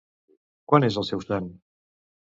Quan és el seu sant?